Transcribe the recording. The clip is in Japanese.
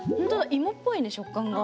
いもっぽいね食感が。